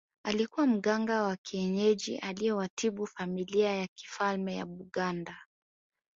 Alikuwa mganga wa kienyeji aliyewatibu familia ya kifalme ya Buganda